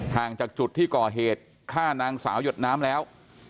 ห่างจากจุดที่ก่อเหตุฆ่านางสาวหยดน้ำแล้ว